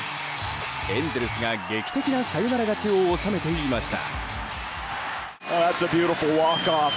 エンゼルスが劇的なサヨナラ勝ちを収めていました。